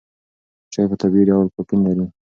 چای په طبیعي ډول کافین لري.